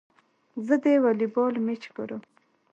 زه د والي بال مېچ ګورم.